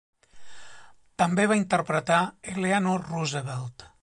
També va interpretar Eleanor Roosevelt.